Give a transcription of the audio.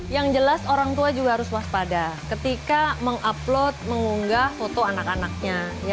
yang jelas orang tua juga harus waspada ketika mengupload mengunggah foto anak anaknya